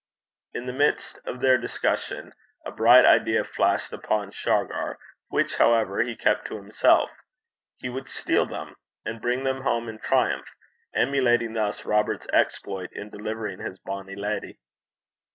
In the midst of their discussion a bright idea flashed upon Shargar, which, however, he kept to himself: he would steal them, and bring them home in triumph, emulating thus Robert's exploit in delivering his bonny leddy.